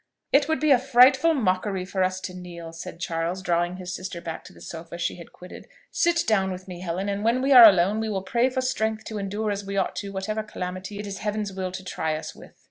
"It would be a frightful mockery for us to kneel!" said Charles, drawing his sister back to the sofa she had quitted. "Sit down with me, Helen; and when we are alone we will pray for strength to endure as we ought to do whatever calamity it is Heaven's will to try us with."